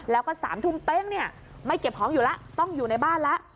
แล้วก็๓ทุ่มเป๊งเนี่ยไม่เก็บของอยู่แล้วต้องอยู่ในบ้านแล้ว